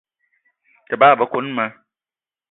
Te bagbe koni ma.